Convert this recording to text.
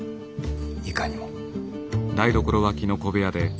いかにも。